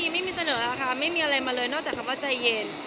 ไม่มีเสนอแล้วค่ะไม่มีอะไรมาเลยนอกจากคำว่าใจเย็น